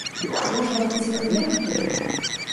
Можа, хуценька збегаць туды?